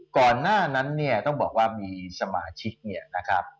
ก่อนหน้านั้นเนี่ยต้องบอกว่ามีสมาชิกเนี่ยนะครับ